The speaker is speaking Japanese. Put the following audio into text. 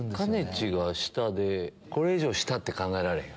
ちが下でこれ以上下考えられへん。